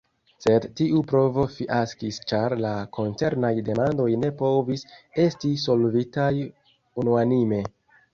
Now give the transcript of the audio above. Sed tiu provo fiaskis ĉar la koncernaj demandoj ne povis esti solvitaj unuanime.